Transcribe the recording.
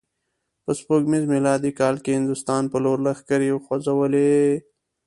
په سپوږمیز میلادي کال یې هندوستان په لور لښکرې وخوزولې.